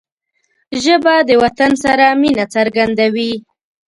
ژبه د وطن سره مینه څرګندوي